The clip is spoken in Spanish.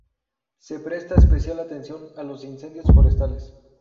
Se presta especial atención a los incendios forestales.